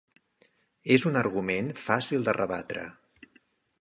És un argument fàcil de rebatre.